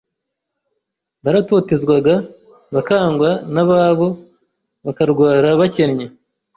Baratotezwaga, bakangwa n’ababo, bakarwara, bakennye,